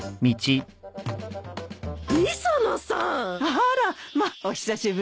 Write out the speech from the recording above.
あらまあお久しぶり。